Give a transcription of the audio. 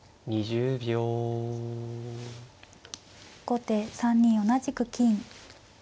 後手３二同じく金。